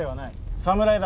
侍だ。